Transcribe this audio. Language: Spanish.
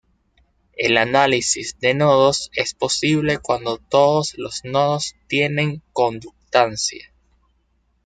El análisis de nodos es posible cuando todos los nodos tienen conductancia.